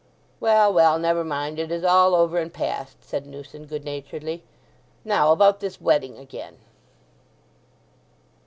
"Well, well—never mind—it is all over and past," said Newson good naturedly. "Now, about this wedding again."